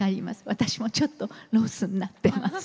私もちょっとロスになってます。